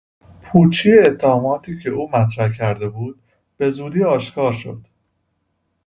پوچی اتهاماتی که او مطرح کرده بود بزودی آشکار شد.